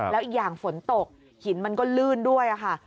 แล้วอีกอย่างฝนตกหินมันก็ลื่นด้วยค่ะ